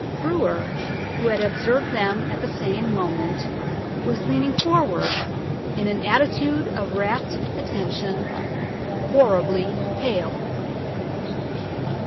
Brewer, who had observed them at the same moment, was leaning forward in an attitude of rapt attention, horribly pale.